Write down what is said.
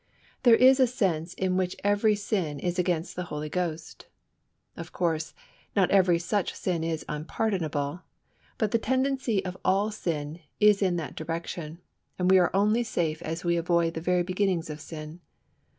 There is a sense in which every sin is against the Holy Ghost. Of course, not every such sin is unpardonable, but the tendency of all sin is in that direction, and we are only safe as we avoid the very beginnings of sin.